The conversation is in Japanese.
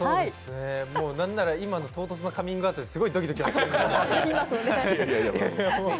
何なら、今の唐突なカミングアウトですごいドキドキしてますけど。